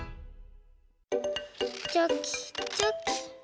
チョキチョキ。